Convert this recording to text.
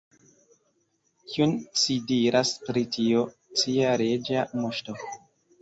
Kion ci diras pri tio, cia Reĝa Moŝto?